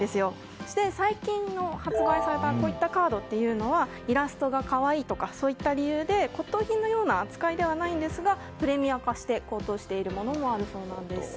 そして、最近発売されたこういったカードはイラストが可愛いとかそういった理由で骨董品のような扱いではないんですがプレミア化して高騰しているものもあるそうです。